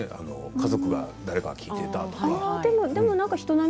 家族誰か聴いていたとか？